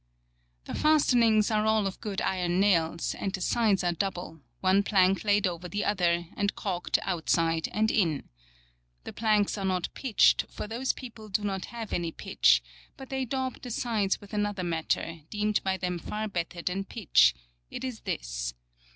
^] The fastenings are all of good iron nails, and the sides are double, one plank laid over the other, and caulked outside and in. The planks are not pitched, for those people do not have any pitch, but they daub the sides with another matter, deemed by them far better than pitch ; it is this.